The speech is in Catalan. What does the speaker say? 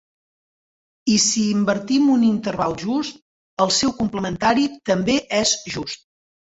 I si invertim un interval just, el seu complementari també és just.